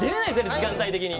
時間帯的に。